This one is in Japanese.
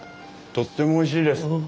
とってもおいしいです。